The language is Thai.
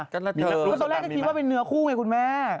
เพราะตอนแรกก็คิดว่าเป็นเนื้อคู่ไงคุณแม่